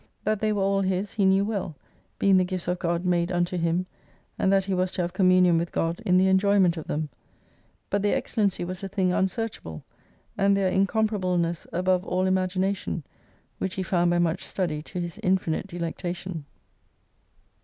That they were all his, he knew well, being the gifts of God made unto him, and that he was to have communion with God in the enjoyment of them. But their excellency was a thing unsearchable and their incomparableness above all imagination, which he found by much study to his infinite delectation.